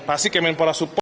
asik kemen para support